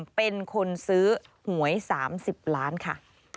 เป็นคนซื้อหวย๓๐ล้านค่ะ